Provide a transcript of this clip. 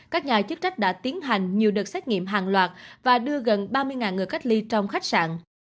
các nhà chức trách đã tiến hành nhiều đợt xét nghiệm hàng loạt và đưa gần ba mươi người cách ly trong khách sạn